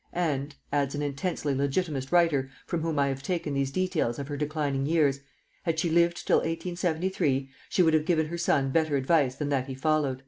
"And," adds an intensely Legitimist writer from whom I have taken these details of her declining years, "had she lived till 1873, she would have given her son better advice than that he followed."